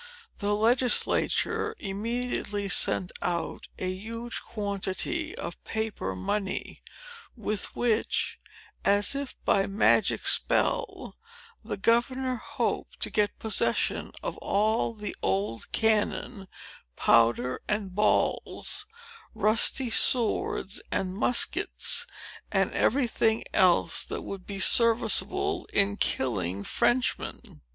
The legislature immediately sent out a huge quantity of paper money, with which, as if by magic spell, the governor hoped to get possession of all the old cannon, powder and balls, rusty swords and muskets, and every thing else that would be serviceable in killing Frenchmen.